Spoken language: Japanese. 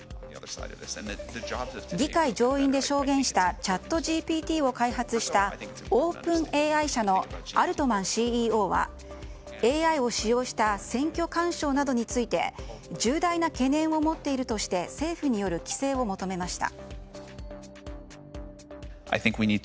議会上院で証言したチャットＧＰＴを開発したオープンＡＩ社のアルトマンＣＥＯはＡＩを使用した選挙干渉などについて重大な懸念を持っているとして政府による規制を求めました。